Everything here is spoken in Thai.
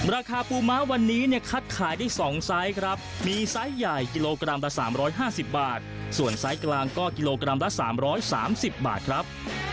ราคาปูม้าวันนี้เนี่ยคัดขายได้๒ไซส์ครับมีไซส์ใหญ่กิโลกรัมละ๓๕๐บาทส่วนไซส์กลางก็กิโลกรัมละ๓๓๐บาทครับ